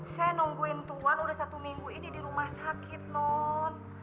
saya nungguin tuhan udah satu minggu ini di rumah sakit non